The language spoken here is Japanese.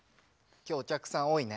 今日お客さん多いね。